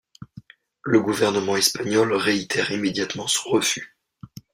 Le gouvernement espagnol réitère immédiatement son refus.